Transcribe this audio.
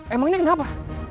emang ini kenapa